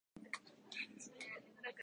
はい、うざいですね